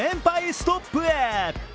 ストップへ。